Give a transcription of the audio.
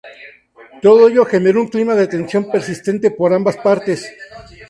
Todo ello generó un clima de tensión persistente por ambas partes.